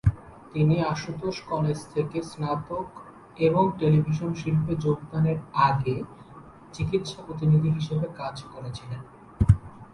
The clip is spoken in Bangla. তিনি আশুতোষ কলেজ থেকে স্নাতক এবং টেলিভিশন শিল্পে যোগদানের আগে চিকিৎসা প্রতিনিধি হিসেবে কাজ করেছিলেন।